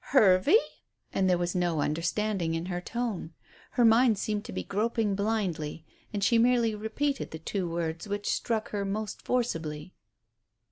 Hervey?" And there was no understanding in her tone. Her mind seemed to be groping blindly, and she merely repeated the two words which struck her most forcibly.